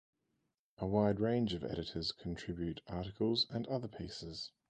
A wide range of editors contribute articles and other pieces.